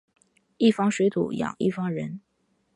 一方水土养一方人